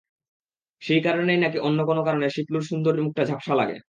সেই কারণেই নাকি অন্য কোনো কারণে শিপলুর সুন্দর মুখটা ঝাপসা লাগে।